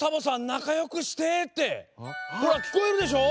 なかよくして」ってほらきこえるでしょ。